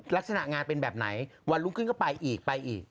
ลักษณะงานเป็นแบบไหนวันรุ่งขึ้นก็ไปอีกไปอีก